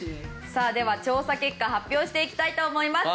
さあでは調査結果発表していきたいと思います。